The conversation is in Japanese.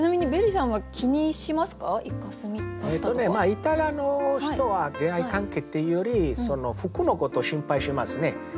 イタリアの人は恋愛関係っていうより服のことを心配しますね。